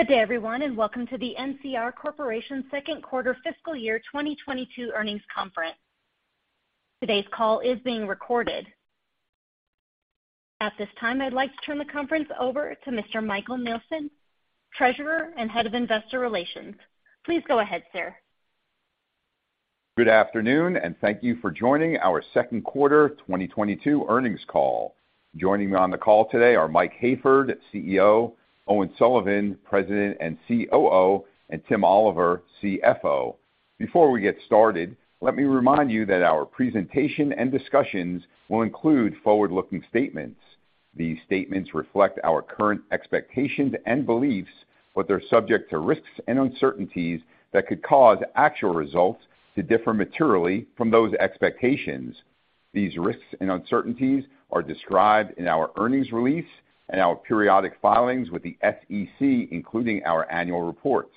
Good day, everyone, and welcome to the NCR Corporation Second Quarter Fiscal Year 2022 Earnings Conference. Today's call is being recorded. At this time, I'd like to turn the conference over to Mr. Michael Nelson, Treasurer and Head of Investor Relations. Please go ahead, sir. Good afternoon, and thank you for joining our 2nd quarter 2022 earnings call. Joining me on the call today are Mike Hayford, CEO, Owen Sullivan, President and COO, and Tim Oliver, CFO. Before we get started, let me remind you that our presentation and discussions will include forward-looking statements. These statements reflect our current expectations and beliefs, but they're subject to risks and uncertainties that could cause actual results to differ materially from those expectations. These risks and uncertainties are described in our earnings release and our periodic filings with the SEC, including our annual report.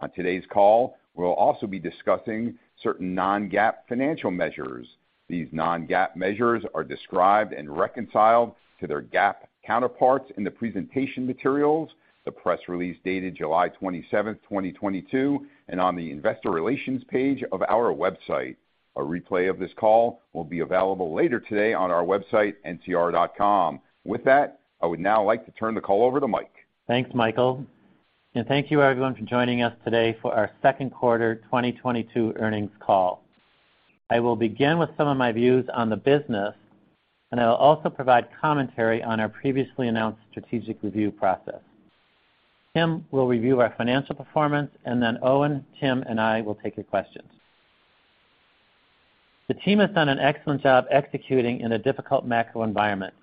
On today's call, we'll also be discussing certain non-GAAP financial measures. These non-GAAP measures are described and reconciled to their GAAP counterparts in the presentation materials, the press release dated July 27th, 2022, and on the investor relations page of our website. A replay of this call will be available later today on our website, ncr.com. With that, I would now like to turn the call over to Mike. Thanks, Michael, and thank you everyone for joining us today for our 2nd quarter 2022 earnings call. I will begin with some of my views on the business, and I will also provide commentary on our previously announced strategic review process. Tim will review our financial performance, and then Owen, Tim, and I will take your questions. The team has done an excellent job executing in a difficult macro environment.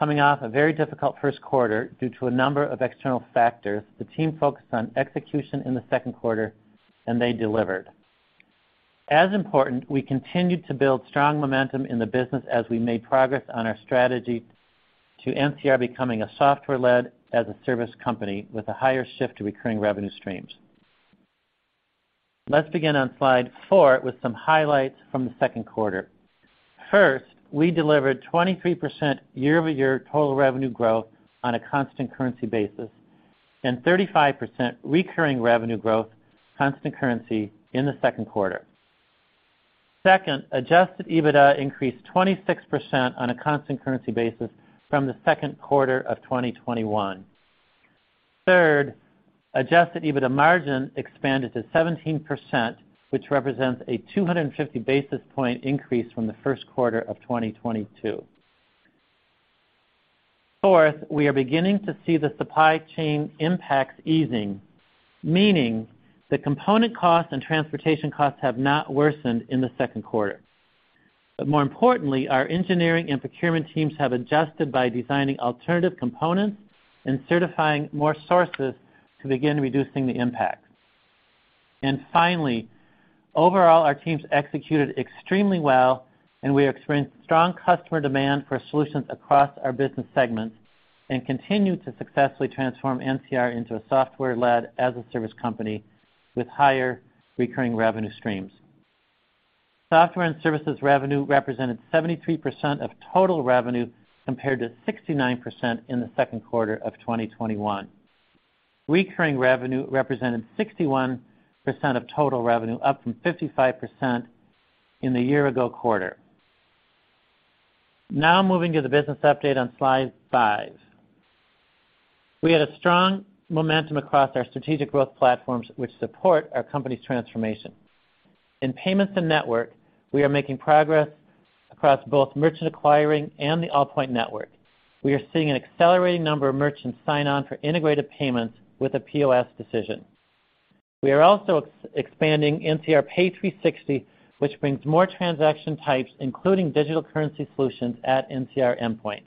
Coming off a very difficult 1st quarter due to a number of external factors, the team focused on execution in the 2nd quarter, and they delivered. As important, we continued to build strong momentum in the business as we made progress on our strategy to NCR becoming a software-led as a service company with a higher shift to recurring revenue streams. Let's begin on slide 4 with some highlights from the 2nd quarter. First, we delivered 23% year-over-year total revenue growth on a constant currency basis, and 35% recurring revenue growth constant currency in the 2nd quarter. Second, adjusted EBITDA increased 26% on a constant currency basis from the 2nd quarter of 2021. Third, adjusted EBITDA margin expanded to 17%, which represents a 250 basis point increase from the 1st quarter of 2022. Fourth, we are beginning to see the supply chain impacts easing, meaning the component costs and transportation costs have not worsened in the 2nd quarter. More importantly, our engineering and procurement teams have adjusted by designing alternative components and certifying more sources to begin reducing the impact. Finally, overall, our teams executed extremely well, and we experienced strong customer demand for solutions across our business segments and continued to successfully transform NCR into a software-led as a service company with higher recurring revenue streams. Software and services revenue represented 73% of total revenue, compared to 69% in the 2nd quarter of 2021. Recurring revenue represented 61% of total revenue, up from 55% in the year ago quarter. Now moving to the business update on slide five. We had a strong momentum across our strategic growth platforms, which support our company's transformation. In payments and network, we are making progress across both merchant acquiring and the Allpoint Network. We are seeing an accelerating number of merchants sign on for integrated payments with a POS decision. We are also expanding into NCR Pay360, which brings more transaction types, including digital currency solutions, at NCR endpoint.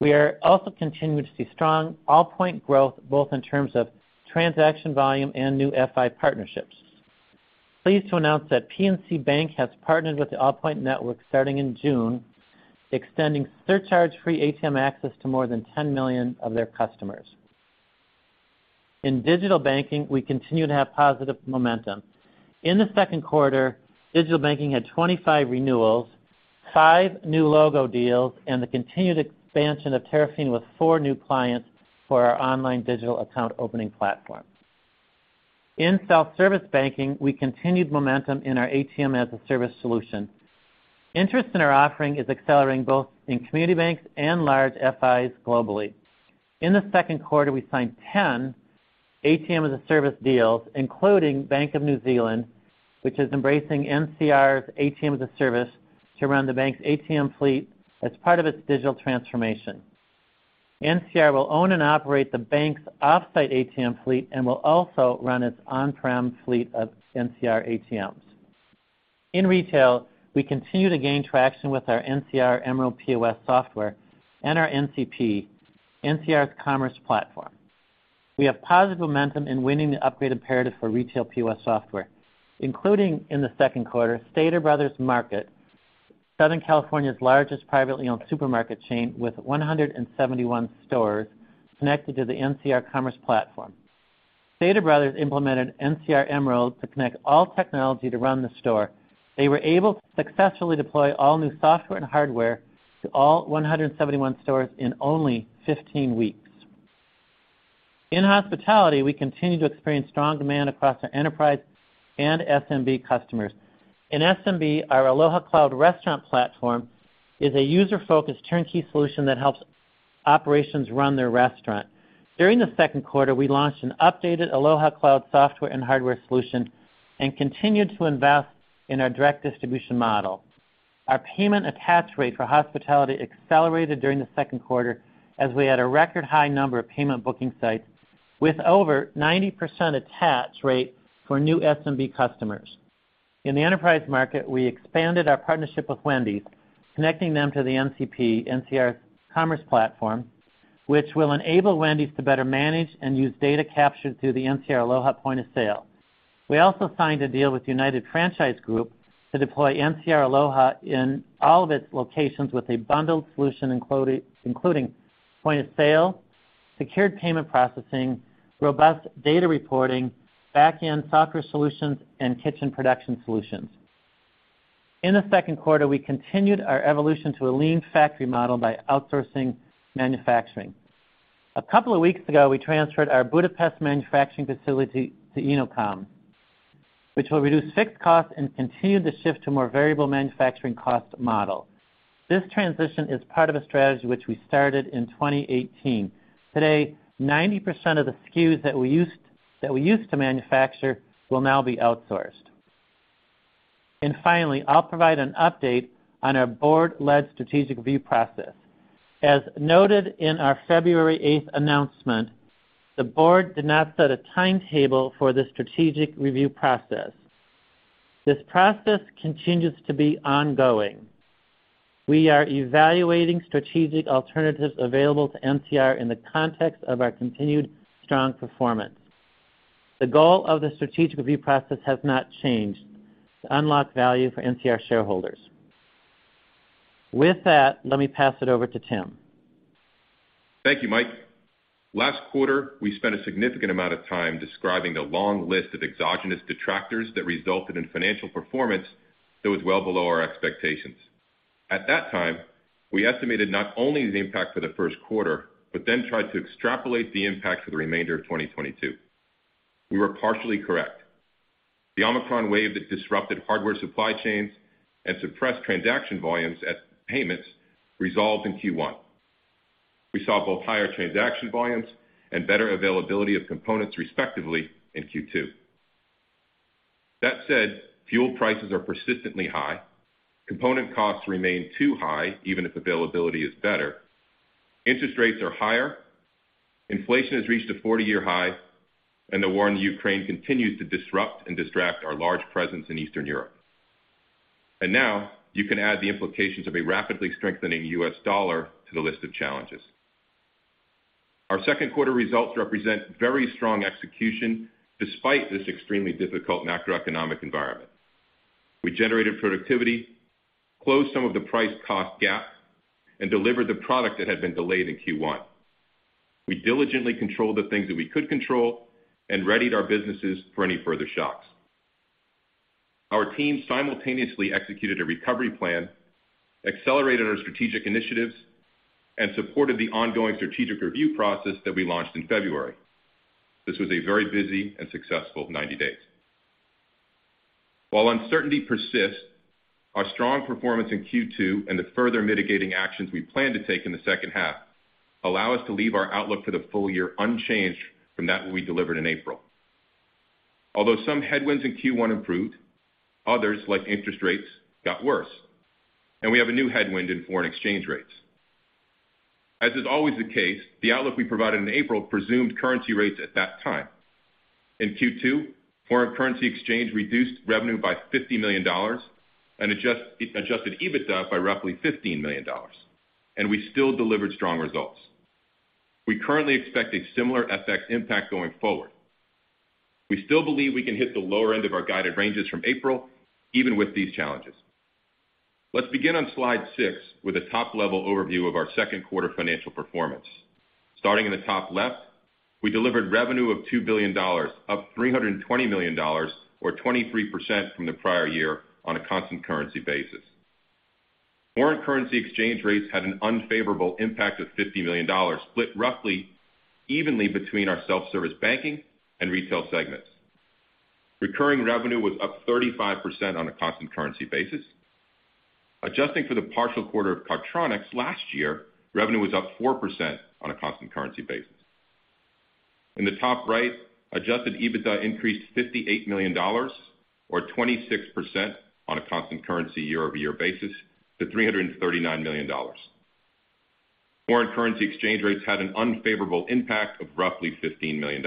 We are also continuing to see strong Allpoint growth, both in terms of transaction volume and new FI partnerships. Pleased to announce that PNC Bank has partnered with the Allpoint Network starting in June, extending surcharge-free ATM access to more than 10 million of their customers. In digital banking, we continue to have positive momentum. In the 2nd quarter, digital banking had 25 renewals, five new logo deals, and the continued expansion of Terafina with four new clients for our online digital account opening platform. In self-service banking, we continued momentum in our ATM-as-a-Service solution. Interest in our offering is accelerating both in community banks and large FIs globally. In the 2nd quarter, we signed 10 ATM-as-a-Service deals, including Bank of New Zealand, which is embracing NCR's ATM-as-a-Service to run the bank's ATM fleet as part of its digital transformation. NCR will own and operate the bank's offsite ATM fleet and will also run its on-prem fleet of NCR ATMs. In retail, we continue to gain traction with our NCR Emerald POS software and our NCP, NCR Commerce Platform. We have positive momentum in winning the upgrade imperative for retail POS software, including in the 2nd quarter, Stater Bros. Markets, Southern California's largest privately owned supermarket chain with 171 stores connected to the NCR Commerce Platform. Stater Bros. implemented NCR Emerald to connect all technology to run the store. They were able to successfully deploy all new software and hardware to all 171 stores in only 15 weeks. In hospitality, we continue to experience strong demand across our enterprise and SMB customers. In SMB, our Aloha Cloud restaurant platform is a user-focused turnkey solution that helps operations run their restaurant. During the 2nd quarter, we launched an updated Aloha Cloud software and hardware solution and continued to invest in our direct distribution model. Our payment attach rate for hospitality accelerated during the 2nd quarter as we had a record high number of payment booking sites with over 90% attach rate for new SMB customers. In the enterprise market, we expanded our partnership with Wendy's, connecting them to the NCP, NCR Commerce Platform, which will enable Wendy's to better manage and use data captured through the NCR Aloha point-of-sale. We also signed a deal with United Franchise Group to deploy NCR Aloha in all of its locations with a bundled solution including point of sale, secured payment processing, robust data reporting, back-end software solutions, and kitchen production solutions. In the 2nd quarter, we continued our evolution to a lean factory model by outsourcing manufacturing. A couple of weeks ago, we transferred our Budapest manufacturing facility to Inokom, which will reduce fixed costs and continue the shift to more variable manufacturing cost model. This transition is part of a strategy which we started in 2018. Today, 90% of the SKUs that we used to manufacture will now be outsourced. Finally, I'll provide an update on our board-led strategic review process. As noted in our February 8th announcement, the board did not set a timetable for the strategic review process. This process continues to be ongoing. We are evaluating strategic alternatives available to NCR in the context of our continued strong performance. The goal of the strategic review process has not changed: to unlock value for NCR shareholders. With that, let me pass it over to Tim. Thank you, Mike. Last quarter, we spent a significant amount of time describing the long list of exogenous detractors that resulted in financial performance that was well below our expectations. At that time, we estimated not only the impact for the 1st quarter, but then tried to extrapolate the impact for the remainder of 2022. We were partially correct. The Omicron wave that disrupted hardware supply chains and suppressed transaction volumes at payments resolved in Q1. We saw both higher transaction volumes and better availability of components, respectively, in Q2. That said, fuel prices are persistently high, component costs remain too high, even if availability is better, interest rates are higher, inflation has reached a 40-year high, and the war in Ukraine continues to disrupt and distract our large presence in Eastern Europe. Now you can add the implications of a rapidly strengthening U.S. dollar to the list of challenges. Our 2nd quarter results represent very strong execution despite this extremely difficult macroeconomic environment. We generated productivity, closed some of the price cost gap, and delivered the product that had been delayed in Q1. We diligently controlled the things that we could control and readied our businesses for any further shocks. Our team simultaneously executed a recovery plan, accelerated our strategic initiatives, and supported the ongoing strategic review process that we launched in February. This was a very busy and successful 90 days. While uncertainty persists, our strong performance in Q2 and the further mitigating actions we plan to take in the 2nd half allow us to leave our outlook for the full year unchanged from what we delivered in April. Although some headwinds in Q1 improved, others, like interest rates, got worse, and we have a new headwind in foreign exchange rates. As is always the case, the outlook we provided in April presumed currency rates at that time. In Q2, foreign currency exchange reduced revenue by $50 million and adjusted EBITDA by roughly $15 million, and we still delivered strong results. We currently expect a similar FX impact going forward. We still believe we can hit the lower end of our guided ranges from April, even with these challenges. Let's begin on slide six with a top-level overview of our 2nd quarter financial performance. Starting in the top left, we delivered revenue of $2 billion, up $320 million or 23% from the prior year on a constant currency basis. Foreign currency exchange rates had an unfavorable impact of $50 million, split roughly evenly between our self-service banking and retail segments. Recurring revenue was up 35% on a constant currency basis. Adjusting for the partial quarter of last year, revenue was up 4% on a constant currency basis. In the top right, adjusted EBITDA increased $58 million or 26% on a constant currency year-over-year basis to $339 million. Foreign currency exchange rates had an unfavorable impact of roughly $15 million.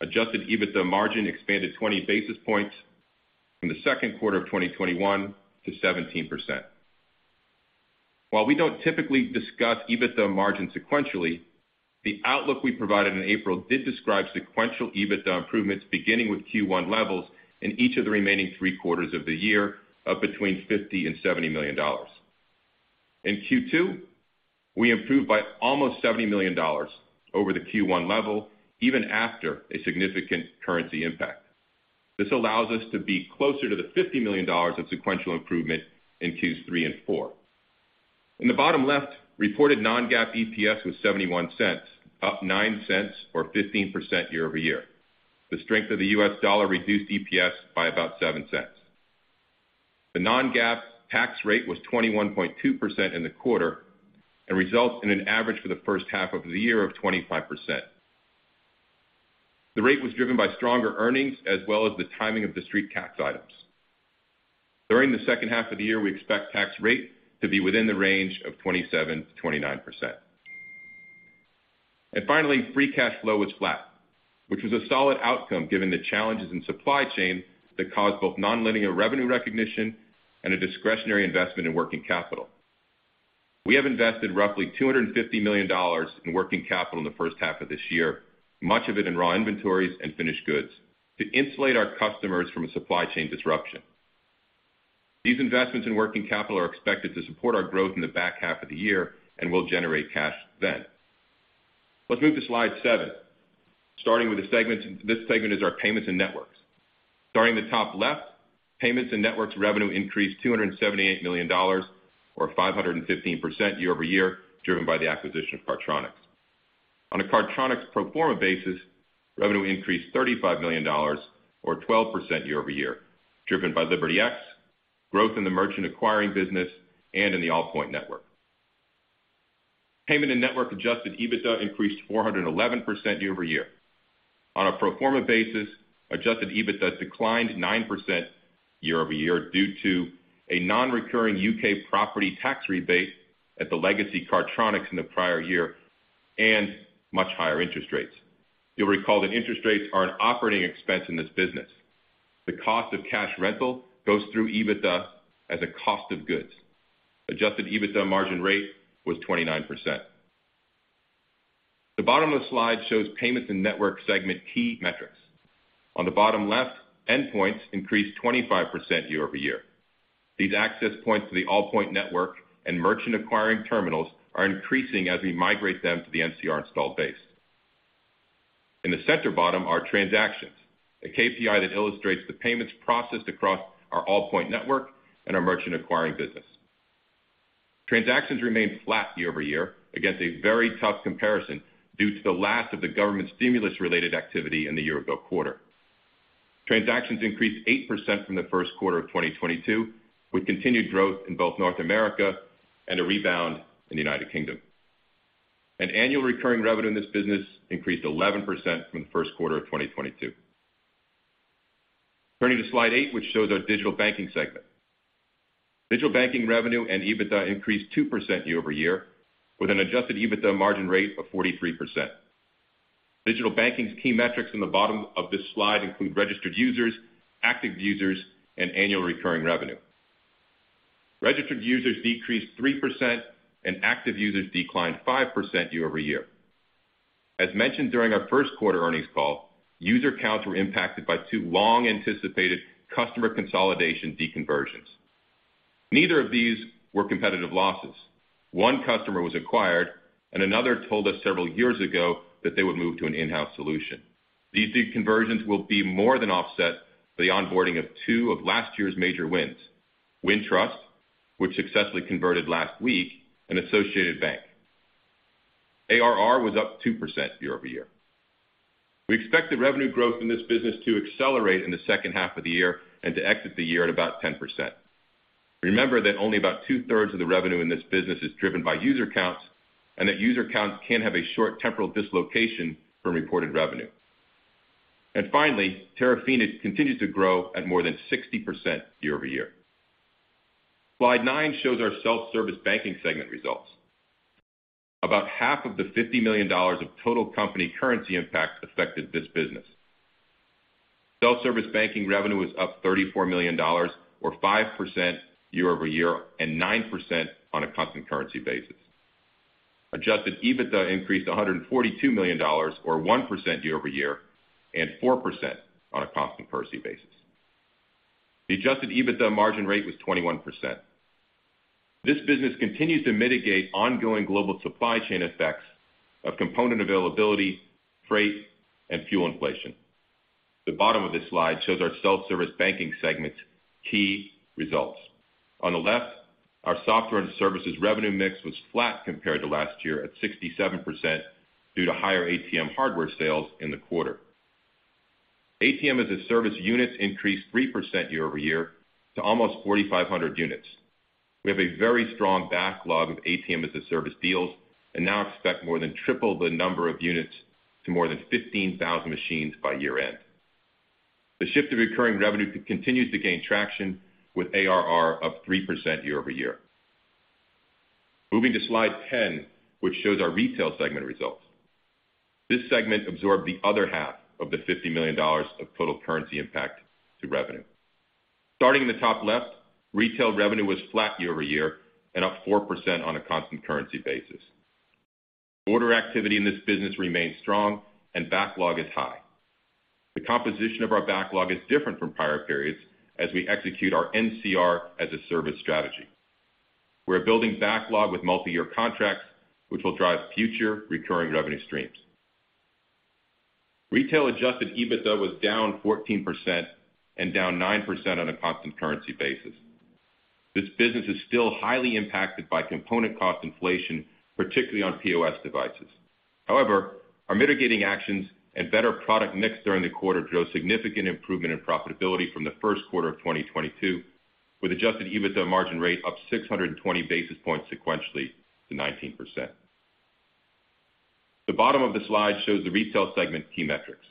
Adjusted EBITDA margin expanded 20 basis points from the 2nd quarter of 2021 to 17%. While we don't typically discuss EBITDA margin sequentially, the outlook we provided in April did describe sequential EBITDA improvements beginning with Q1 levels in each of the remaining three quarters of the year, up between $50 million and $70 million. In Q2, we improved by almost $70 million over the Q1 level, even after a significant currency impact. This allows us to be closer to the $50 million of sequential improvement in Q3 and Q4. In the bottom left, reported non-GAAP EPS was $0.71, up $0.09 or 15% year-over-year. The strength of the U.S. dollar reduced EPS by about $0.07. The non-GAAP tax rate was 21.2% in the quarter and results in an average for the 1st half of the year of 25%. The rate was driven by stronger earnings as well as the timing of the street tax items. During the 2nd half of the year, we expect tax rate to be within the range of 27%-29%. Finally, free cash flow was flat, which was a solid outcome given the challenges in supply chain that caused both non-linear revenue recognition and a discretionary investment in working capital. We have invested roughly $250 million in working capital in the 1st half of this year, much of it in raw inventories and finished goods, to insulate our customers from a supply chain disruption. These investments in working capital are expected to support our growth in the back half of the year and will generate cash then. Let's move to slide seven. Starting with the segment, this segment is our payments and networks. Payments and networks revenue increased $278 million or 515% year-over-year, driven by the acquisition of Cardtronics. On a Cardtronics pro forma basis, revenue increased $35 million or 12% year-over-year, driven by LibertyX, growth in the merchant acquiring business, and in the Allpoint network. Payments and networks adjusted EBITDA increased 411% year-over-year. On a pro forma basis, adjusted EBITDA declined 9% year-over-year due to a non-recurring U.K. property tax rebate at the legacy Cardtronics in the prior year and much higher interest rates. You'll recall that interest rates are an operating expense in this business. The cost of cash rental goes through EBITDA as a cost of goods. Adjusted EBITDA margin rate was 29%. The bottom of the slide shows payments and network segment key metrics. On the bottom left, endpoints increased 25% year-over-year. These access points to the Allpoint network and merchant acquiring terminals are increasing as we migrate them to the NCR install base. In the center bottom are transactions, a KPI that illustrates the payments processed across our Allpoint network and our merchant acquiring business. Transactions remained flat year-over-year against a very tough comparison due to the last of the government stimulus-related activity in the year-ago quarter. Transactions increased 8% from the 1st quarter of 2022, with continued growth in both North America and a rebound in the United Kingdom. Annual recurring revenue in this business increased 11% from the 1st quarter of 2022. Turning to slide eight, which shows our digital banking segment. Digital banking revenue and EBITDA increased 2% year-over-year with an adjusted EBITDA margin rate of 43%. Digital banking's key metrics in the bottom of this slide include registered users, active users, and annual recurring revenue. Registered users decreased 3% and active users declined 5% year-over-year. As mentioned during our 1st quarter earnings call, user counts were impacted by two long-anticipated customer consolidation deconversions. Neither of these were competitive losses. One customer was acquired and another told us several years ago that they would move to an in-house solution. These deconversions will be more than offset by the onboarding of two of last year's major wins, Wintrust, which successfully converted last week, and Associated Bank. ARR was up 2% year-over-year. We expect the revenue growth in this business to accelerate in the 2nd half of the year and to exit the year at about 10%. Remember that only about 2/3 of the revenue in this business is driven by user counts, and that user counts can have a short temporal dislocation from reported revenue. Finally, Terafina continues to grow at more than 60% year-over-year. Slide nine shows our self-service banking segment results. About half of the $50 million of total company currency impact affected this business. Self-service banking revenue was up $34 million or 5% year-over-year and 9% on a constant currency basis. Adjusted EBITDA increased $142 million or 1% year-over-year and 4% on a constant currency basis. The adjusted EBITDA margin rate was 21%. This business continues to mitigate ongoing global supply chain effects of component availability, freight, and fuel inflation. The bottom of this slide shows our self-service banking segment's key results. On the left, our software and services revenue mix was flat compared to last year at 67% due to higher ATM hardware sales in the quarter. ATM-as-a-Service units increased 3% year-over-year to almost 4,500 units. We have a very strong backlog of ATM-as-a-Service deals and now expect more than triple the number of units to more than 15,000 machines by year-end. The shift of recurring revenue continues to gain traction with ARR up 3% year-over-year. Moving to slide 10, which shows our retail segment results. This segment absorbed the other half of the $50 million of total currency impact to revenue. Starting in the top left, retail revenue was flat year-over-year and up 4% on a constant currency basis. Order activity in this business remains strong and backlog is high. The composition of our backlog is different from prior periods as we execute our NCR as a service strategy. We're building backlog with multiyear contracts, which will drive future recurring revenue streams. Retail adjusted EBITDA was down 14% and down 9% on a constant currency basis. This business is still highly impacted by component cost inflation, particularly on POS devices. However, our mitigating actions and better product mix during the quarter drove significant improvement in profitability from the 1st quarter of 2022, with adjusted EBITDA margin rate up 620 basis points sequentially to 19%. The bottom of the slide shows the retail segment key metrics.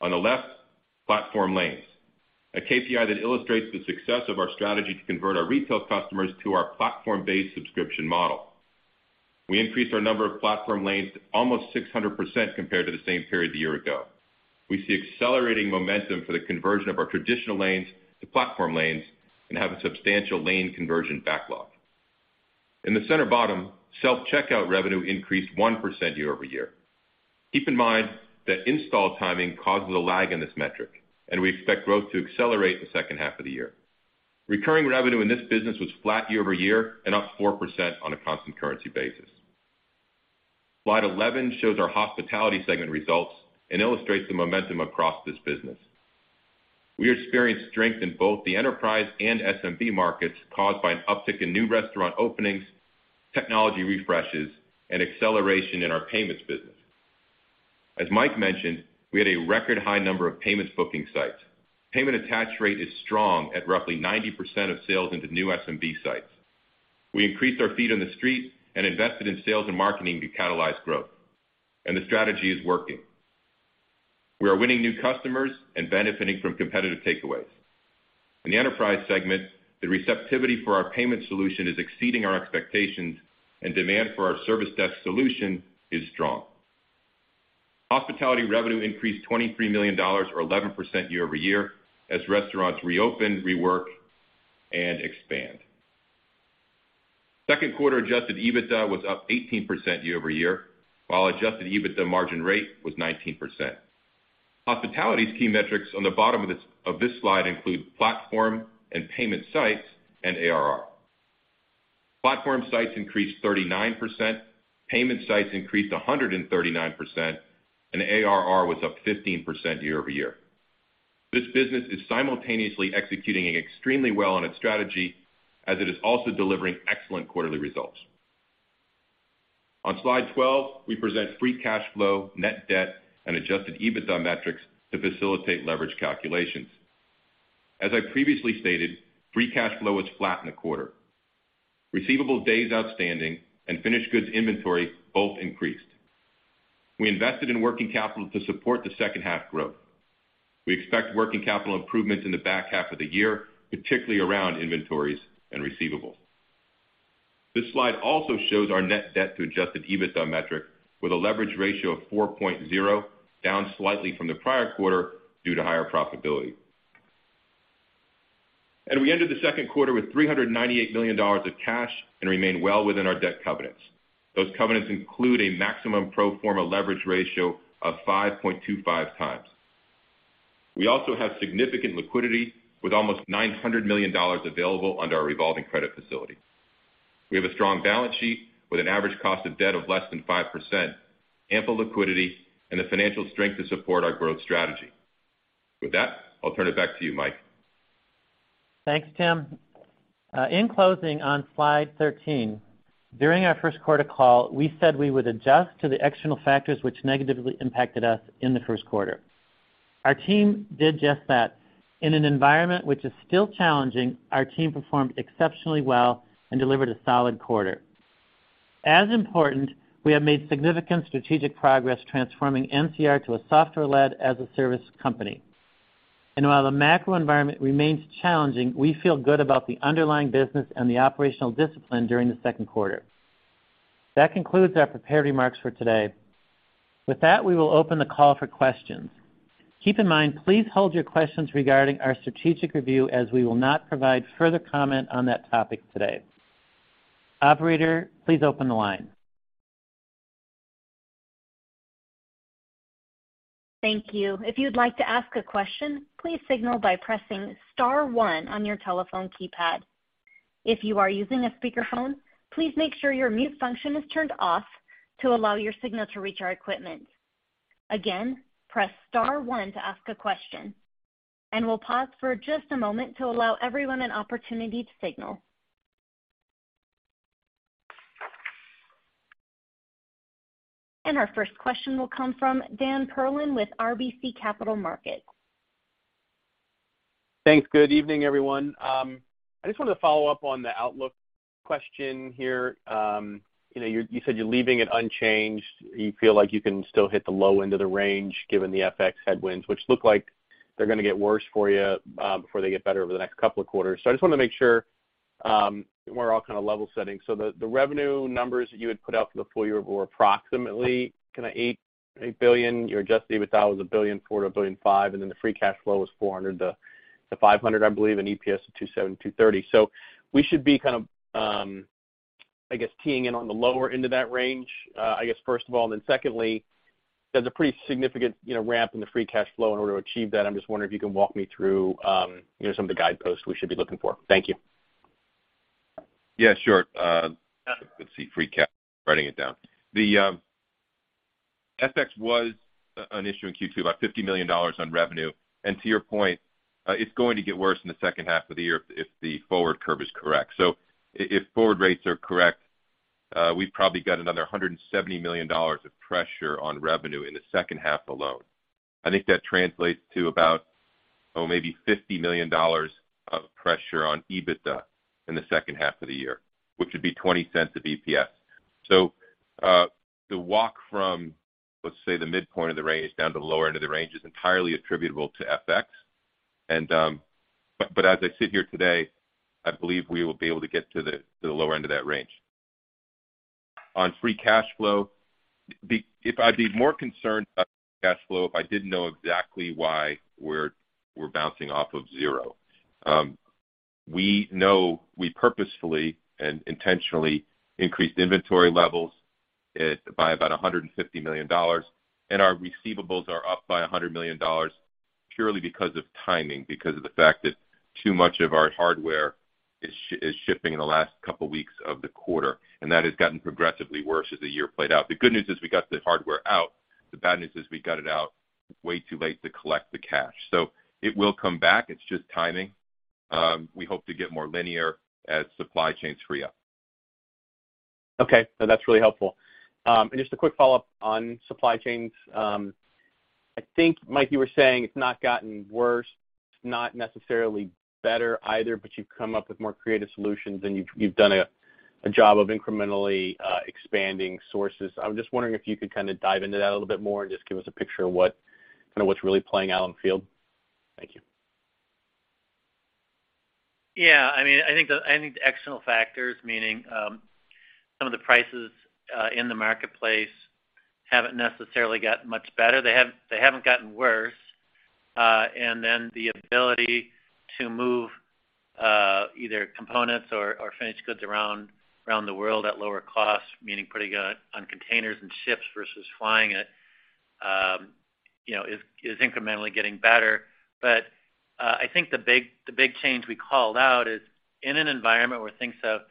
On the left, platform lanes, a KPI that illustrates the success of our strategy to convert our retail customers to our platform-based subscription model. We increased our number of platform lanes to almost 600% compared to the same period a year ago. We see accelerating momentum for the conversion of our traditional lanes to platform lanes and have a substantial lane conversion backlog. In the center bottom, self-checkout revenue increased 1% year-over-year. Keep in mind that install timing causes a lag in this metric, and we expect growth to accelerate in the 2nd half of the year. Recurring revenue in this business was flat year-over-year and up 4% on a constant currency basis. Slide 11 shows our hospitality segment results and illustrates the momentum across this business. We experienced strength in both the enterprise and SMB markets caused by an uptick in new restaurant openings, technology refreshes, and acceleration in our payments business. As Mike mentioned, we had a record high number of payments booking sites. Payment attach rate is strong at roughly 90% of sales into new SMB sites. We increased our feet in the street and invested in sales and marketing to catalyze growth, and the strategy is working. We are winning new customers and benefiting from competitive takeaways. In the enterprise segment, the receptivity for our payment solution is exceeding our expectations, and demand for our service desk solution is strong. Hospitality revenue increased $23 million or 11% year-over-year as restaurants reopen, rework, and expand. Second quarter adjusted EBITDA was up 18% year-over-year, while adjusted EBITDA margin rate was 19%. Hospitality's key metrics on the bottom of this slide include platform and payment sites and ARR. Platform sites increased 39%, payment sites increased 139%, and ARR was up 15% year-over-year. This business is simultaneously executing extremely well on its strategy as it is also delivering excellent quarterly results. On slide 12, we present free cash flow, net debt, and adjusted EBITDA metrics to facilitate leverage calculations. As I previously stated, free cash flow was flat in the quarter. Receivable days outstanding and finished goods inventory both increased. We invested in working capital to support the 2nd half growth. We expect working capital improvements in the back half of the year, particularly around inventories and receivables. This slide also shows our net debt to adjusted EBITDA metric with a leverage ratio of 4.0, down slightly from the prior quarter due to higher profitability. We ended the 2nd quarter with $398 million of cash and remain well within our debt covenants. Those covenants include a maximum pro forma leverage ratio of 5.25x. We also have significant liquidity with almost $900 million available under our revolving credit facility. We have a strong balance sheet with an average cost of debt of less than 5%, ample liquidity, and the financial strength to support our growth strategy. With that, I'll turn it back to you, Mike. Thanks, Tim. In closing, on slide 13, during our 1st quarter call, we said we would adjust to the external factors which negatively impacted us in the 1st quarter. Our team did just that. In an environment which is still challenging, our team performed exceptionally well and delivered a solid quarter. As important, we have made significant strategic progress transforming NCR to a software-led as-a-service company. While the macro environment remains challenging, we feel good about the underlying business and the operational discipline during the 2nd quarter. That concludes our prepared remarks for today. With that, we will open the call for questions. Keep in mind, please hold your questions regarding our strategic review as we will not provide further comment on that topic today. Operator, please open the line. Thank you. If you'd like to ask a question, please signal by pressing star one on your telephone keypad. If you are using a speakerphone, please make sure your mute function is turned off to allow your signal to reach our equipment. Again, press star one to ask a question, and we'll pause for just a moment to allow everyone an opportunity to signal. Our 1st question will come from Daniel Perlin with RBC Capital Markets. Thanks. Good evening, everyone. I just wanted to follow up on the outlook question here. You know, you said you're leaving it unchanged. You feel like you can still hit the low end of the range given the FX headwinds, which look like they're gonna get worse for you before they get better over the next couple of quarters. I just wanted to make sure we're all kind of level setting. The revenue numbers that you had put out for the full year were approximately $8 billion, your adjusted EBITDA was $1.4 billion-$1.5 billion, and then the free cash flow was $400 million-$500 million, I believe, and EPS of $2.70-$2.30. We should be kind of, I guess, keying in on the lower end of that range, I guess 1st of all. Secondly, there's a pretty significant, you know, ramp in the free cash flow in order to achieve that. I'm just wondering if you can walk me through, you know, some of the guideposts we should be looking for. Thank you. Yeah, sure. Let's see, free cash, writing it down. The FX was an issue in Q2, about $50 million on revenue. To your point, it's going to get worse in the 2nd half of the year if the forward curve is correct. If forward rates are correct, we've probably got another $170 million of pressure on revenue in the 2nd half alone. I think that translates to about, oh, maybe $50 million of pressure on EBITDA in the 2nd half of the year, which would be $0.20 of EPS. The walk from, let's say, the midpoint of the range down to the lower end of the range is entirely attributable to FX. As I sit here today, I believe we will be able to get to the lower end of that range. On free cash flow, if I'd be more concerned about cash flow, if I didn't know exactly why we're bouncing off of zero. We know we purposefully and intentionally increased inventory levels by about $150 million, and our receivables are up by $100 million purely because of timing, because of the fact that too much of our hardware is shipping in the last couple weeks of the quarter, and that has gotten progressively worse as the year played out. The good news is we got the hardware out. The bad news is we got it out way too late to collect the cash. It will come back. It's just timing. We hope to get more linear as supply chains free up. Okay. No, that's really helpful. Just a quick follow-up on supply chains. I think, Mike, you were saying it's not gotten worse, not necessarily better either, but you've come up with more creative solutions, and you've done a job of incrementally expanding sources. I'm just wondering if you could kinda dive into that a little bit more and just give us a picture of what kinda what's really playing out on the field. Thank you. Yeah, I mean, I think the external factors, meaning some of the prices in the marketplace haven't necessarily gotten much better. They haven't gotten worse. Then the ability to move either components or finished goods around the world at lower costs, meaning putting it on containers and ships versus flying it, you know, is incrementally getting better. I think the big change we called out is in an environment where things have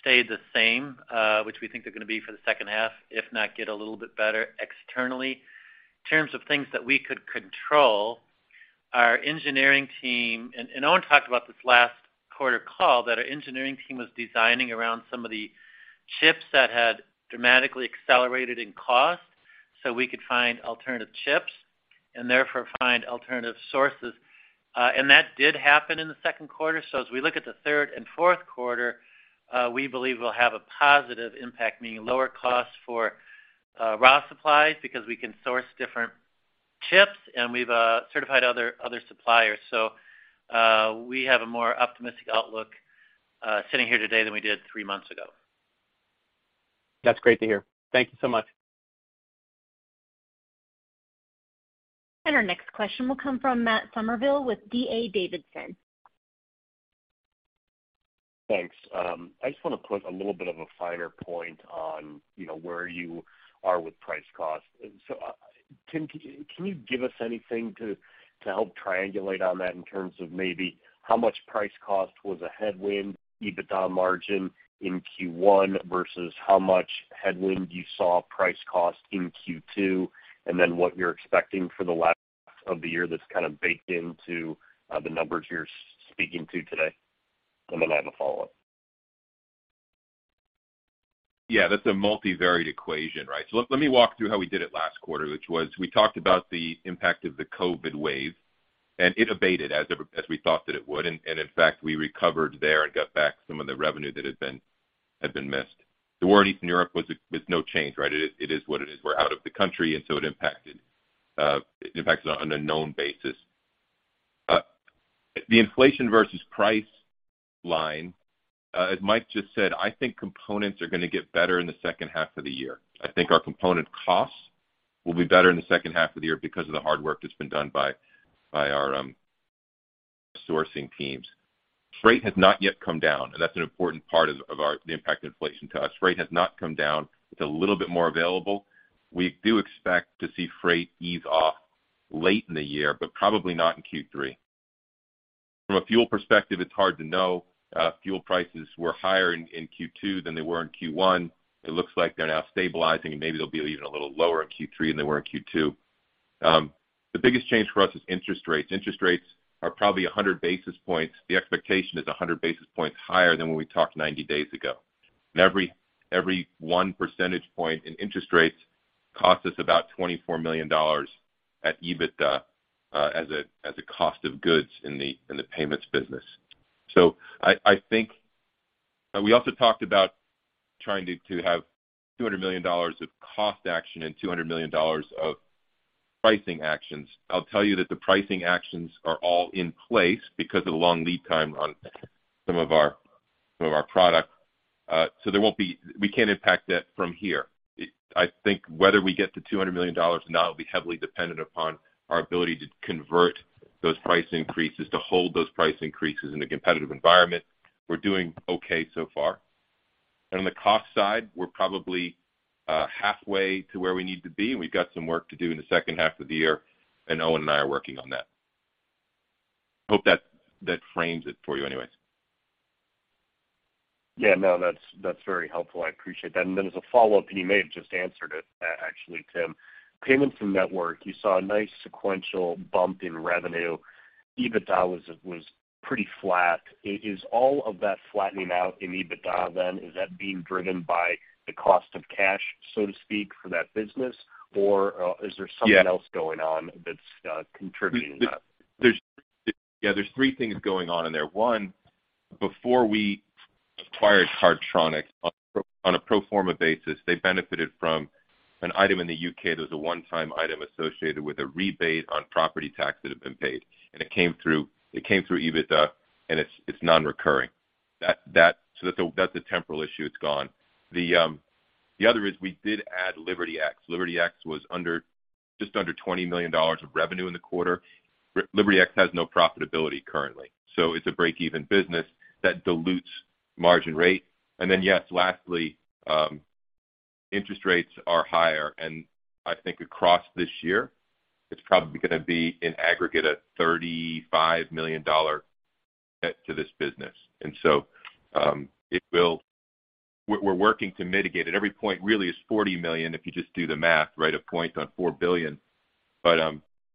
stayed the same, which we think they're gonna be for the 2nd half, if not get a little bit better externally. In terms of things that we could control, our engineering team... Owen talked about this last quarter call that our engineering team was designing around some of the chips that had dramatically accelerated in cost, so we could find alternative chips and therefore find alternative sources. That did happen in the 2nd quarter. As we look at the 3rd and 4th quarter, we believe we'll have a positive impact, meaning lower costs for raw supplies because we can source different chips, and we've certified other suppliers. We have a more optimistic outlook sitting here today than we did three months ago. That's great to hear. Thank you so much. Our next question will come from Matt Summerville with D.A. Davidson. Thanks. I just wanna put a little bit of a finer point on, you know, where you are with price cost. Tim, can you give us anything to help triangulate on that in terms of maybe how much price cost was a headwind EBITDA margin in Q1 versus how much headwind you saw price cost in Q2, and then what you're expecting for the last half of the year that's kind of baked into the numbers you're speaking to today? I have a follow-up. Yeah, that's a multivariate equation, right? Let me walk through how we did it last quarter, which was we talked about the impact of the COVID wave, and it abated as we thought that it would. In fact, we recovered there and got back some of the revenue that had been missed. The war in Eastern Europe was no change, right? It is what it is. We're out of the country, and so it impacted on a known basis. The inflation versus price line, as Mike just said, I think components are gonna get better in the 2nd half of the year. I think our component costs will be better in the 2nd half of the year because of the hard work that's been done by our sourcing teams. Freight has not yet come down, and that's an important part of the impact of inflation to us. Freight has not come down. It's a little bit more available. We do expect to see freight ease off late in the year, but probably not in Q3. From a fuel perspective, it's hard to know. Fuel prices were higher in Q2 than they were in Q1. It looks like they're now stabilizing, and maybe they'll be even a little lower in Q3 than they were in Q2. The biggest change for us is interest rates. Interest rates are probably 100 basis points. The expectation is 100 basis points higher than when we talked 90 days ago. Every 1 percentage point in interest rates costs us about $24 million at EBITDA, as a cost of goods in the payments business. I think we also talked about trying to have $200 million of cost action and $200 million of pricing actions. I'll tell you that the pricing actions are all in place because of the long lead time on some of our products. So there won't be. We can't impact that from here. I think whether we get to $200 million or not will be heavily dependent upon our ability to convert those price increases, to hold those price increases in a competitive environment. We're doing okay so far. On the cost side, we're probably halfway to where we need to be, and we've got some work to do in the 2nd half of the year, and Owen and I are working on that. Hope that frames it for you anyways. Yeah, no, that's very helpful. I appreciate that. As a follow-up, you may have just answered it actually, Tim. Payments and network, you saw a nice sequential bump in revenue. EBITDA was pretty flat. Is all of that flattening out in EBITDA then, is that being driven by the cost of cash, so to speak, for that business? Or, is there something else going on that's contributing to that? Yeah, there's three things going on in there. One, before we acquired Cardtronics on a pro forma basis, they benefited from an item in the U.K. There was a one-time item associated with a rebate on property tax that had been paid. It came through EBITDA, and it's non-recurring. That's a temporal issue, it's gone. The other is we did add LibertyX. LibertyX was just under $20 million of revenue in the quarter. LibertyX has no profitability currently, so it's a break-even business that dilutes margin rate. Yes, lastly, interest rates are higher. I think across this year, it's probably gonna be in aggregate a $35 million debt to this business. We're working to mitigate it. Every point really is $40 million if you just do the math, right, a point on $4 billion.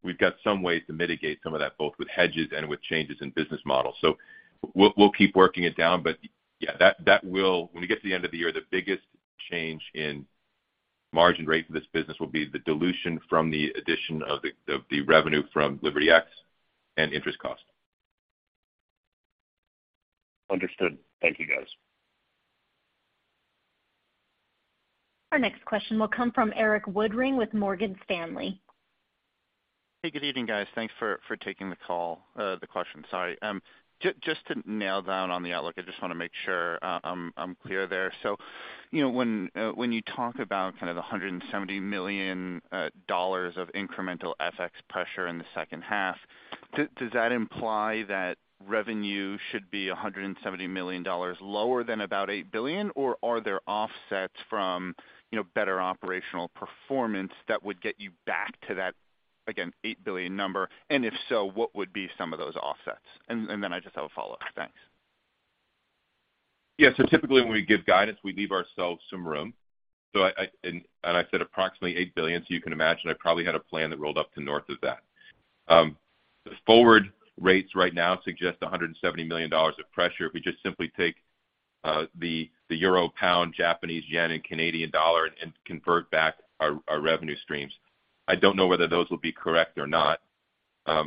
We've got some ways to mitigate some of that, both with hedges and with changes in business models. We'll keep working it down. Yeah. When we get to the end of the year, the biggest change in margin rate for this business will be the dilution from the addition of the revenue from LibertyX and interest cost. Understood. Thank you, guys. Our next question will come from Erik Woodring with Morgan Stanley. Hey, good evening, guys. Thanks for taking the call, the question, sorry. Just to nail down on the outlook, I just wanna make sure, I'm clear there. You know, when you talk about kind of the $170 million of incremental FX pressure in the 2nd half, does that imply that revenue should be $170 million lower than about $8 billion? Or are there offsets from, you know, better operational performance that would get you back to that, again, $8 billion number? If so, what would be some of those offsets? And then I just have a follow-up. Thanks. Yeah. Typically, when we give guidance, we leave ourselves some room. I said approximately $8 billion, so you can imagine I probably had a plan that rolled up to north of that. The forward rates right now suggest $170 million of pressure if we just simply take the Euro pound, Japanese yen, and Canadian dollar and convert back our revenue streams. I don't know whether those will be correct or not, but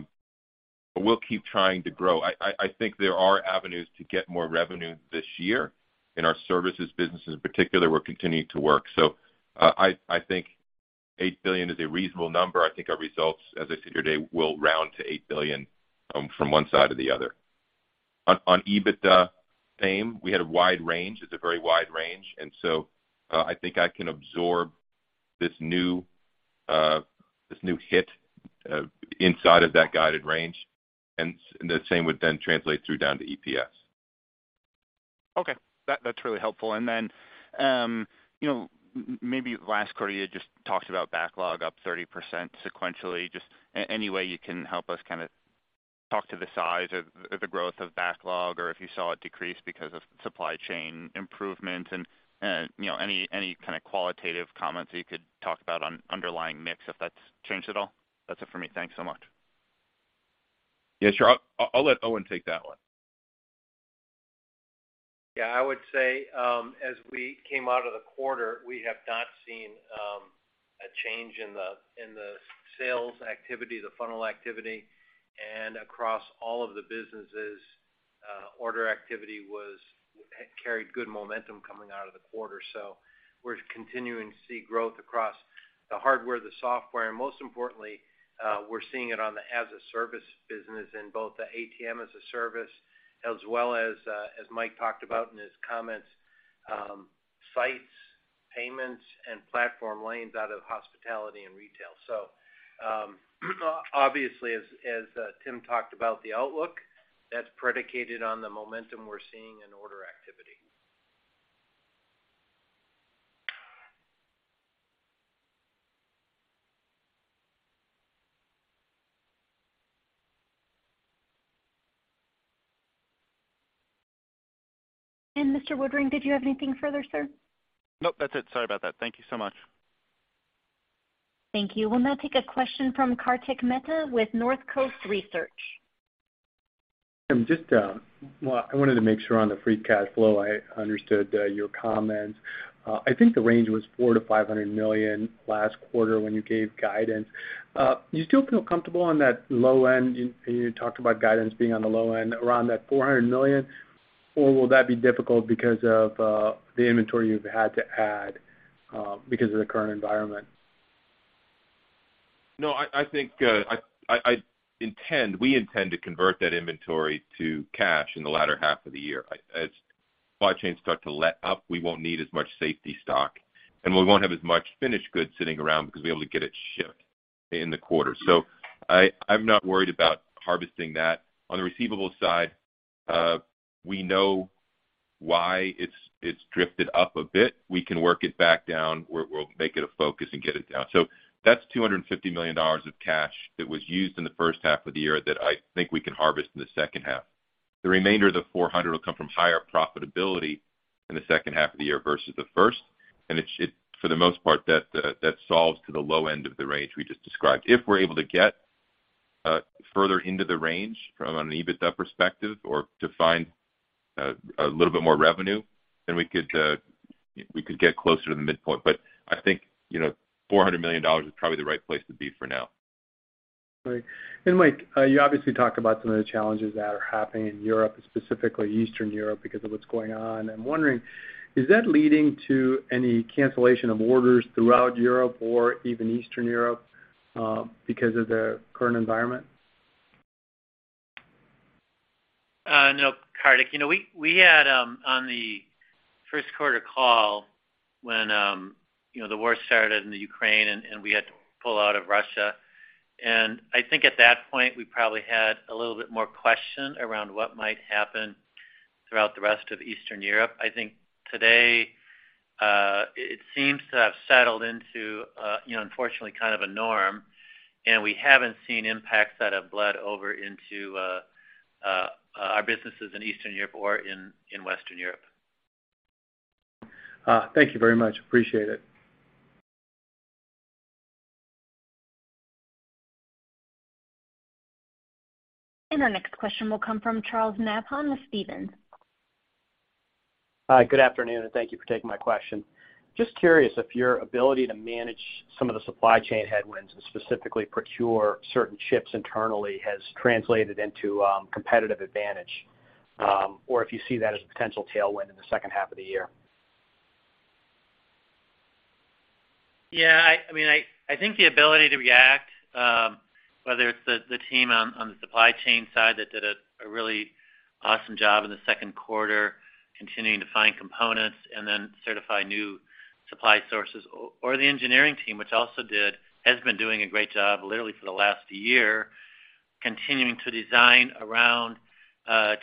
we'll keep trying to grow. I think there are avenues to get more revenue this year in our services business in particular, we're continuing to work. I think $8 billion is a reasonable number. I think our results, as I said here today, will round to $8 billion, from one side to the other. On EBITDA, same, we had a wide range. It's a very wide range. I think I can absorb this new hit inside of that guided range, and the same would then translate through down to EPS. Okay. That, that's really helpful. Then maybe last quarter you just talked about backlog up 30% sequentially. Just any way you can help us kinda talk to the size of the growth of backlog or if you saw it decrease because of supply chain improvement? You know, any kind of qualitative comments that you could talk about on underlying mix, if that's changed at all. That's it for me. Thanks so much. Yeah, sure. I'll let Owen take that one. Yeah. I would say, as we came out of the quarter, we have not seen a change in the sales activity, the funnel activity. Across all of the businesses, order activity carried good momentum coming out of the quarter. We're continuing to see growth across the hardware, the software, and most importantly, we're seeing it on the as-a-service business in both the ATM-as-a-service, as well as Mike talked about in his comments, sites, payments, and platform lanes out of hospitality and retail. Obviously, as Tim talked about the outlook, that's predicated on the momentum we're seeing in order activity. Mr. Woodring, did you have anything further, sir? Nope. That's it. Sorry about that. Thank you so much. Thank you. We'll now take a question from Kartik Mehta with Northcoast Research. Tim, just, well, I wanted to make sure on the free cash flow, I understood your comment. I think the range was $400 million-$500 million last quarter when you gave guidance. You still feel comfortable on that low end? You talked about guidance being on the low end around that $400 million. Will that be difficult because of the inventory you've had to add because of the current environment? No, I think we intend to convert that inventory to cash in the latter half of the year. As supply chains start to let up, we won't need as much safety stock, and we won't have as much finished goods sitting around because we're able to get it shipped in the quarter. I'm not worried about harvesting that. On the receivables side, we know why it's drifted up a bit. We can work it back down. We're making it a focus and get it down. That's $250 million of cash that was used in the 1st half of the year that I think we can harvest in the 2nd half. The remainder of the $400 million will come from higher profitability in the 2nd half of the year versus the 1st. It should, for the most part, that solves to the low end of the range we just described. If we're able to get further into the range from an EBITDA perspective or to find a little bit more revenue, then we could get closer to the midpoint. I think, you know, $400 million is probably the right place to be for now. Right. Mike, you obviously talked about some of the challenges that are happening in Europe, specifically Eastern Europe, because of what's going on. I'm wondering, is that leading to any cancellation of orders throughout Europe or even Eastern Europe, because of the current environment? No, Kartik. You know, we had on the 1st quarter call when you know, the war started in the Ukraine and we had to pull out of Russia. I think at that point, we probably had a little bit more questions around what might happen throughout the rest of Eastern Europe. I think today, it seems to have settled into you know, unfortunately, kind of a norm, and we haven't seen impacts that have bled over into our businesses in Eastern Europe or in Western Europe. Thank you very much. Appreciate it. Our next question will come from Charles Nabhan with Stephens. Hi, good afternoon, and thank you for taking my question. Just curious if your ability to manage some of the supply chain headwinds and specifically procure certain chips internally has translated into, competitive advantage, or if you see that as a potential tailwind in the 2nd half of the year. Yeah, I mean, I think the ability to react, whether it's the team on the supply chain side that did a really awesome job in the 2nd quarter, continuing to find components and then certify new supply sources, or the engineering team, which has been doing a great job literally for the last year, continuing to design around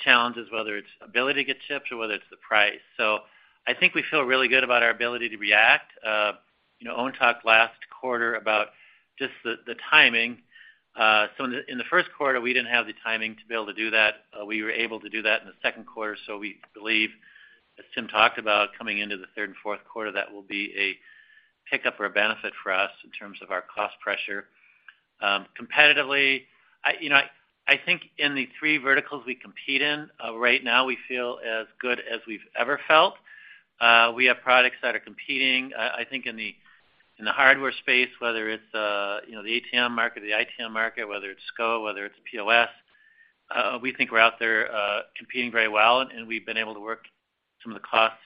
challenges, whether it's ability to get chips or whether it's the price. I think we feel really good about our ability to react. You know, Owen talked last quarter about just the timing. In the 1st quarter, we didn't have the timing to be able to do that. We were able to do that in the 2nd quarter. We believe, as Tim talked about, coming into the 3rd and 4th quarter, that will be a pickup or a benefit for us in terms of our cost pressure. Competitively, you know, I think in the three verticals we compete in, right now, we feel as good as we've ever felt. We have products that are competing, I think in the hardware space, whether it's you know the ATM market, the ITM market, whether it's SCO, whether it's POS, we think we're out there competing very well, and we've been able to work some of the costs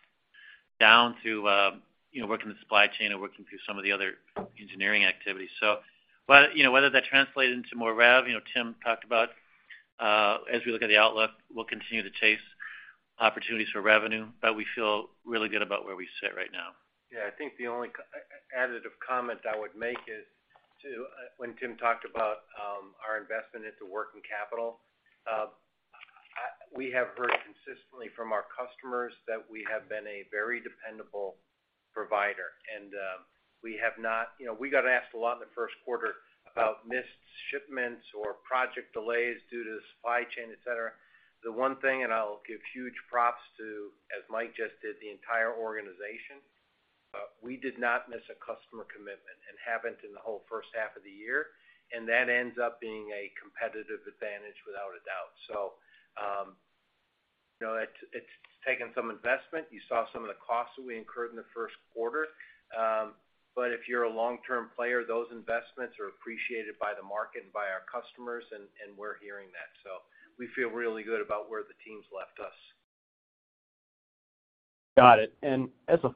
down through you know working the supply chain and working through some of the other engineering activities whether that translated into more rev, you know, Tim talked about, as we look at the outlook, we'll continue to chase opportunities for revenue, but we feel really good about where we sit right now. Yeah. I think the only additive comment I would make is to when Tim talked about our investment into working capital. We have heard consistently from our customers that we have been a very dependable provider, and we have not. You know, we got asked a lot in the 1st quarter about missed shipments or project delays due to the supply chain, et cetera. The one thing, and I'll give huge props to, as Mike just did, the entire organization, we did not miss a customer commitment and haven't in the whole 1st half of the year, and that ends up being a competitive advantage without a doubt. So, you know, it's taken some investment. You saw some of the costs that we incurred in the 1st quarter. If you're a long-term player, those investments are appreciated by the market and by our customers, and we're hearing that. We feel really good about where the teams left us. Got it. As a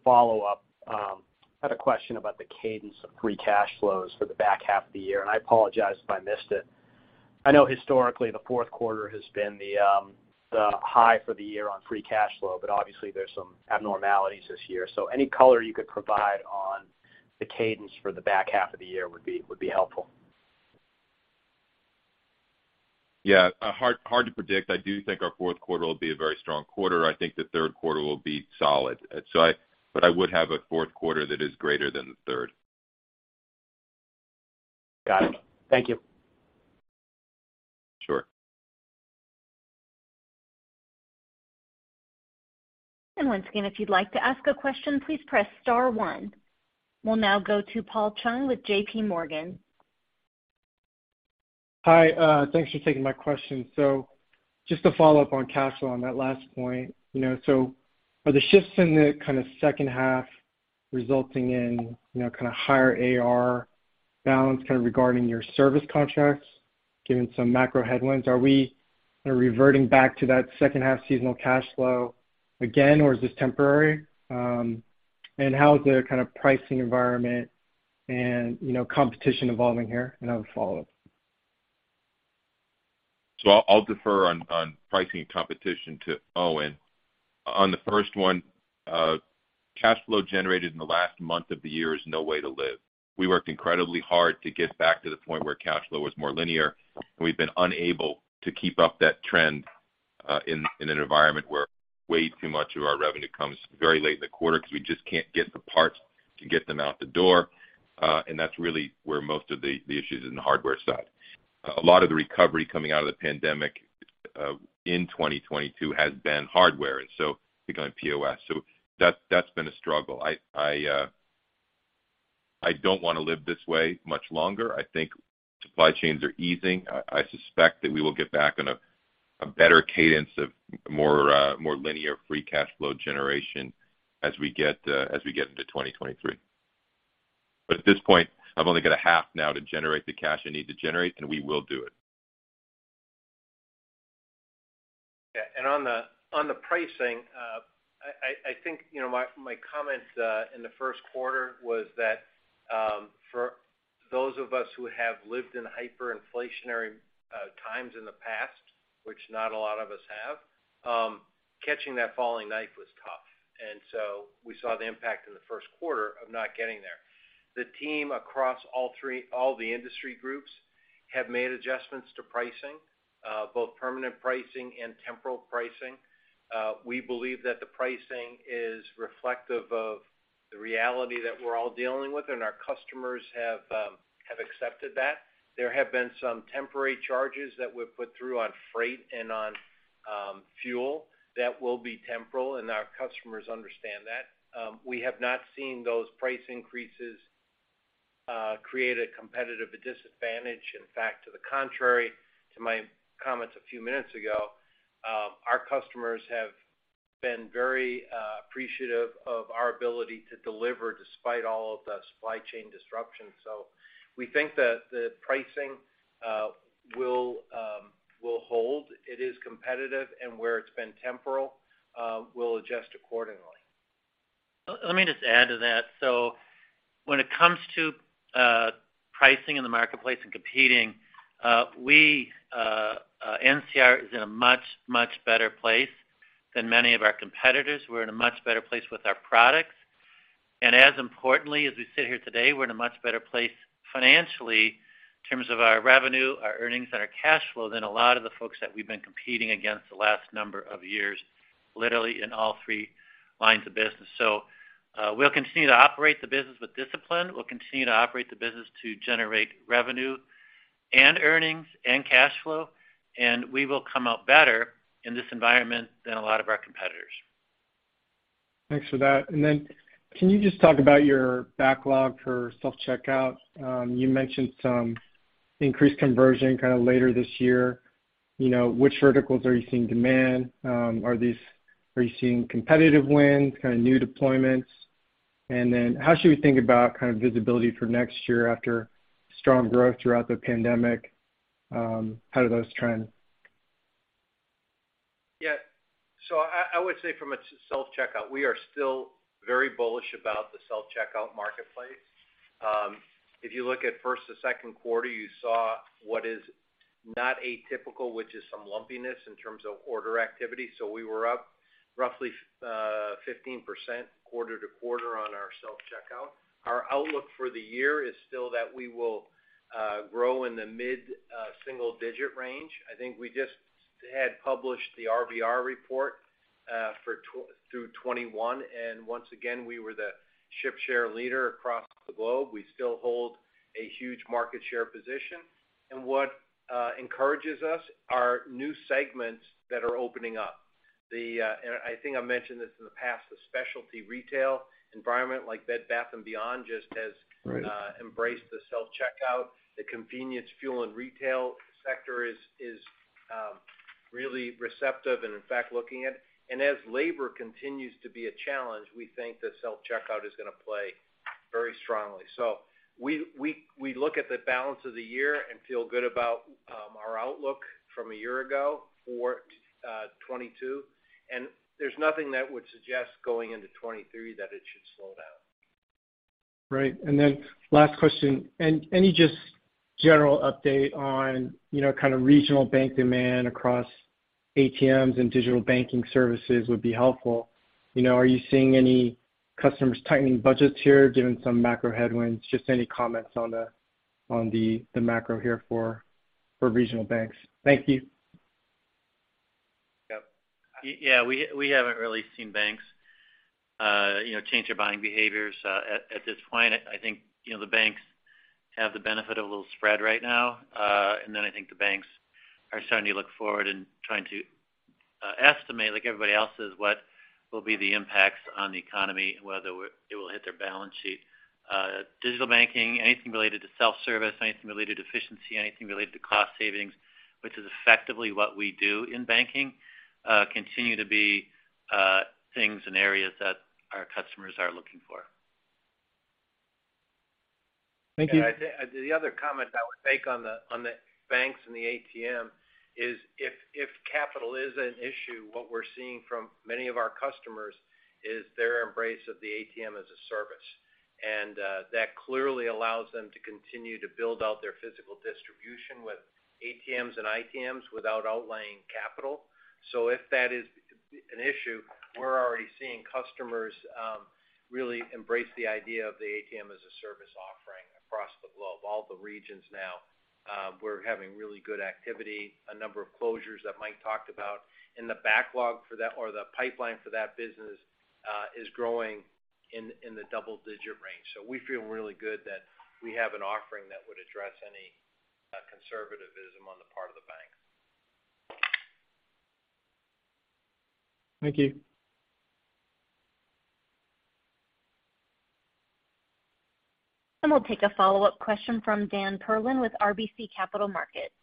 follow-up, I had a question about the cadence of free cash flows for the back half of the year, and I apologize if I missed it. I know historically, the 4th quarter has been the high for the year on free cash flow, but obviously, there's some abnormalities this year. Any color you could provide on the cadence for the back half of the year would be helpful. Yeah. Hard to predict. I do think our 4th quarter will be a very strong quarter. I think the 3rd quarter will be solid. I would have a 4th quarter that is greater than the 3rd. Got it. Thank you. Sure. Once again, if you'd like to ask a question, please press star one. We'll now go to Paul Chung with J.P. Morgan. Hi. Thanks for taking my question. Just to follow up on cash flow on that last point. You know, are the shifts in the kind of 2nd half resulting in, you know, kind of higher AR balance kind of regarding your service contracts? Given some macro headwinds, are we kind of reverting back to that 2nd half seasonal cash flow again, or is this temporary? How is the kind of pricing environment and, you know, competition evolving here? I have a follow-up. I'll defer on pricing competition to Owen. On the 1st one, cash flow generated in the last month of the year is no way to live. We worked incredibly hard to get back to the point where cash flow was more linear, and we've been unable to keep up that trend, in an environment where way too much of our revenue comes very late in the quarter because we just can't get the parts to get them out the door. That's really where most of the issues in the hardware side. A lot of the recovery coming out of the pandemic, in 2022 has been hardware and so becoming POS. That's been a struggle. I don't wanna live this way much longer. I think supply chains are easing. I suspect that we will get back on a better cadence of more linear free cash flow generation as we get into 2023. At this point, I've only got a half now to generate the cash I need to generate, and we will do it. Yeah. On the pricing, I think, you know, my comments in the 1st quarter was that, for those of us who have lived in hyperinflationary times in the past, which not a lot of us have, catching that falling knife was tough. We saw the impact in the 1st quarter of not getting there. The team across all the industry groups have made adjustments to pricing, both permanent pricing and temporal pricing. We believe that the pricing is reflective of the reality that we're all dealing with, and our customers have accepted that. There have been some temporary charges that we've put through on freight and on fuel that will be temporal, and our customers understand that. We have not seen those price increases create a competitive disadvantage. In fact, to the contrary to my comments a few minutes ago, our customers have been very appreciative of our ability to deliver despite all of the supply chain disruptions. We think that the pricing will hold. It is competitive, and where it's been temporary, we'll adjust accordingly. Let me just add to that. When it comes to pricing in the marketplace and competing, we NCR is in a much better place than many of our competitors. We're in a much better place with our products. As importantly, as we sit here today, we're in a much better place financially in terms of our revenue, our earnings, and our cash flow than a lot of the folks that we've been competing against the last number of years, literally in all three lines of business. We'll continue to operate the business with discipline. We'll continue to operate the business to generate revenue and earnings and cash flow, and we will come out better in this environment than a lot of our competitors. Thanks for that. Can you just talk about your backlog for self-checkout? You mentioned some increased conversion kind of later this year. You know, which verticals are you seeing demand? Are you seeing competitive wins, kind of new deployments? How should we think about kind of visibility for next year after strong growth throughout the pandemic, how do those trend? Yeah. I would say from a self-checkout, we are still very bullish about the self-checkout marketplace. If you look at 1st to 2nd quarter, you saw what is not atypical, which is some lumpiness in terms of order activity. We were up roughly 15% quarter to quarter on our self-checkout. Our outlook for the year is still that we will grow in the mid single digit range. I think we just had published the RBR report for through 2021, and once again, we were the ship share leader across the globe. We still hold a huge market share position. What encourages us are new segments that are opening up. I think I mentioned this in the past, the specialty retail environment like Bed Bath & Beyond just has- Right embraced the self-checkout. The convenience fuel and retail sector is really receptive and in fact looking at. As labor continues to be a challenge, we think that self-checkout is gonna play very strongly. We look at the balance of the year and feel good about our outlook from a year ago for 2022, and there's nothing that would suggest going into 2023 that it should slow down. Right. Last question. Any just general update on, you know, kind of regional bank demand across ATMs and digital banking services would be helpful. You know, are you seeing any customers tightening budgets here given some macro headwinds? Just any comments on the macro here for regional banks. Thank you. Yeah, we haven't really seen banks, you know, change their buying behaviors. At this point, I think, you know, the banks have the benefit of a little spread right now. I think the banks are starting to look forward and trying to estimate, like everybody else is, what will be the impacts on the economy and whether it will hit their balance sheet. Digital banking, anything related to self-service, anything related to efficiency, anything related to cost savings, which is effectively what we do in banking, continue to be things and areas that our customers are looking for. Thank you. I think the other comment I would make on the banks and the ATM is if capital is an issue, what we're seeing from many of our customers is their embrace of the ATM-as-a-Service. That clearly allows them to continue to build out their physical distribution with ATMs and ITMs without outlaying capital. If that is an issue, we're already seeing customers really embrace the idea of the ATM-as-a-Service offering across the globe. All the regions now, we're having really good activity, a number of closures that Mike talked about. The backlog for that or the pipeline for that business is growing in the double-digit range. We feel really good that we have an offering that would address any conservatism on the part of the bank. Thank you. We'll take a follow-up question from Daniel Perlin with RBC Capital Markets.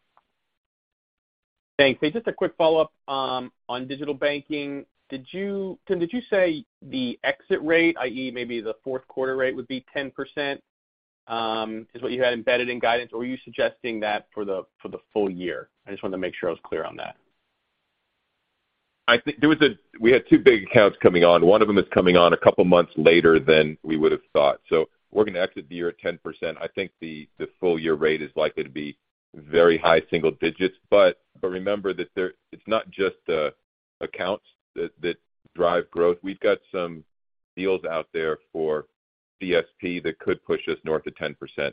Thanks. Just a quick follow-up on digital banking. Tim, did you say the exit rate, i.e., maybe the 4th quarter rate would be 10%, is what you had embedded in guidance? Or were you suggesting that for the full year? I just wanted to make sure I was clear on that. I think we had two big accounts coming on. One of them is coming on a couple of months later than we would have thought. We're going to exit the year at 10%. I think the full year rate is likely to be very high single digits. Remember that it's not just the accounts that drive growth. We've got some deals out there for DSP that could push us north of 10%. I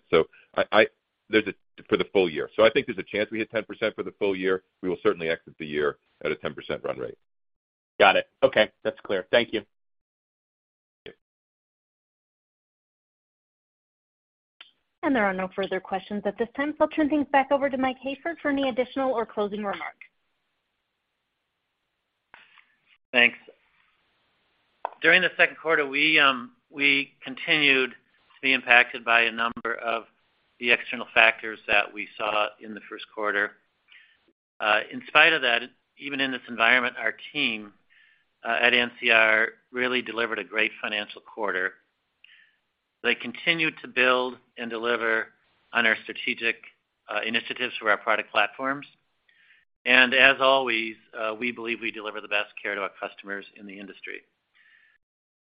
think there's a chance we hit 10% for the full year. We will certainly exit the year at a 10% run rate. Got it. Okay, that's clear. Thank you. Thank you. There are no further questions at this time. I'll turn things back over to Mike Hayford for any additional or closing remarks. Thanks. During the 2nd quarter, we continued to be impacted by a number of the external factors that we saw in the 1st quarter. In spite of that, even in this environment, our team at NCR really delivered a great financial quarter. They continued to build and deliver on our strategic initiatives for our product platforms. As always, we believe we deliver the best care to our customers in the industry.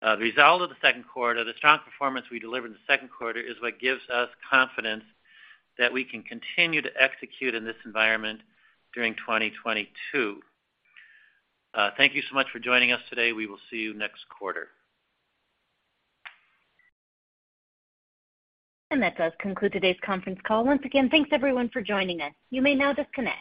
The result of the 2nd quarter, the strong performance we delivered in the 2nd quarter is what gives us confidence that we can continue to execute in this environment during 2022. Thank you so much for joining us today. We will see you next quarter. That does conclude today's conference call. Once again, thanks everyone for joining us. You may now disconnect.